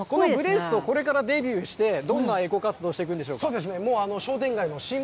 このブレスト、これからデビューして、どんなエコ活動をしていくんでしょうか。